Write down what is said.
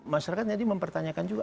masyarakat jadi mempertanyakan juga